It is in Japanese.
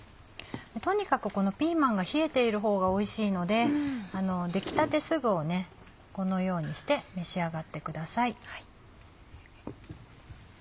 とにかくピーマンが冷えているほうがおいしいので出来たてすぐをこのようにして召し上がってください。